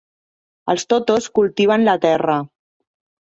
Els Totos cultiven la terra.